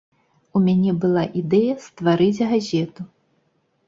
У мяне была ідэя стварыць газету.